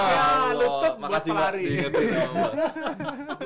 makasih banget diingetin sama gua